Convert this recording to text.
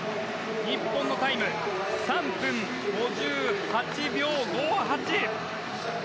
日本のタイム３分５８秒５８。